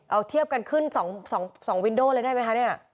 เอาเทียบกันขึ้น๒วินโดเลยได้ไหมคะเนี่ย